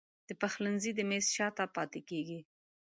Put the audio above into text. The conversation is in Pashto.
د پخلنځي د میز شاته پاته کیږې